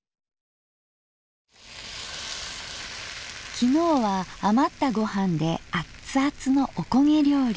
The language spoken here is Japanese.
昨日は余ったごはんでアッツアツのおこげ料理。